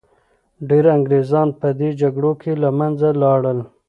ډیر انګریزان په دې جګړو کي له منځه لاړل.